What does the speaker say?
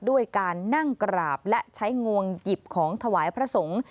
ด้วยการนั่งกราบและใช้งวงหยิบของถวายพระสงฆ์